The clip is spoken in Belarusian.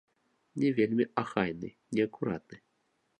Не вельмі ахайны, неакуратны.